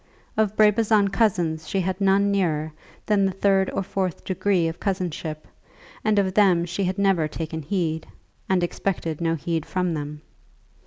Of Brabazon cousins she had none nearer than the third or fourth degree of cousinship, and of them she had never taken heed, and expected no heed from them.